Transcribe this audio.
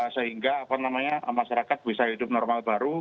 sehingga apa namanya masyarakat bisa hidup normal baru